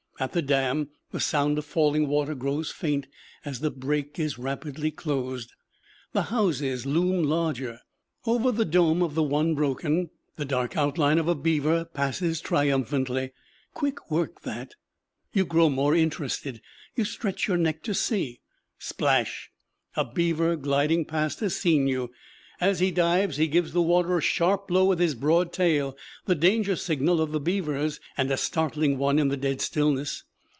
At the dam the sound of falling water grows faint as the break is rapidly closed. The houses loom larger. Over the dome of the one broken, the dark outline of a beaver passes triumphantly. Quick work that. You grow more interested; you stretch your neck to see splash! A beaver gliding past has seen you. As he dives he gives the water a sharp blow with his broad tail, the danger signal of the beavers, and a startling one in the dead stillness.